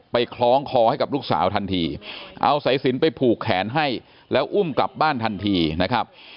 คล้องคอให้กับลูกสาวทันทีเอาสายสินไปผูกแขนให้แล้วอุ้มกลับบ้านทันทีนะครับ